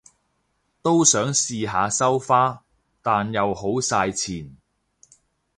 都想試下收花，但又好晒錢